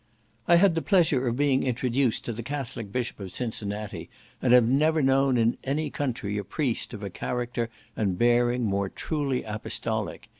I had the pleasure of being introduced to the Catholic bishop of Cincinnati, and have never known in any country a priest of a character and bearing more truly apostolic.